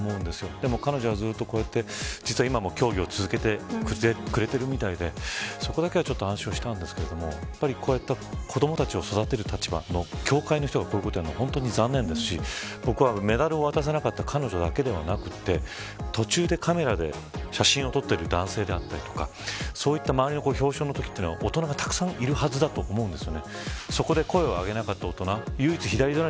でも、彼女はこうやって今も競技を続けてくれてるみたいでそこだけは安心をしたんですけど、やっぱり子どもたちを育てる立場の協会の人がこういうことをやるのは残念ですしメダルを渡さなかった彼女だけではなくて途中でカメラで写真を撮っている男性だったり周りの、表彰のときは大人がたくさんいるはずだと思うんです。